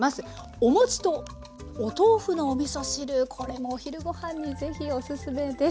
お餅とお豆腐のおみそ汁これもお昼ご飯にぜひおすすめです。